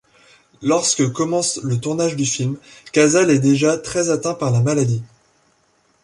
Lorsque commence le tournage du film, Cazale est déjà très atteint par la maladie.